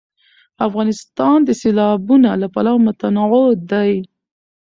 افغانستان د سیلابونه له پلوه متنوع دی.